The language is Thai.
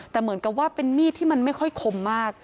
แต่เหมือนกับว่าเป็นมีดที่มันไม่ค่อยคมมาก